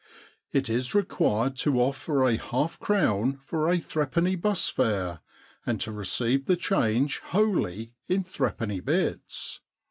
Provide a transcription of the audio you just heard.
It is required to offer a half crown for a threepenny bus fare, and to receive the change wholly in threepenny bits.